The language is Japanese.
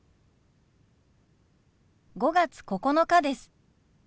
５月９日です。